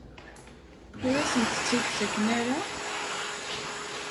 Ur asent-tt-id-ttaken ara?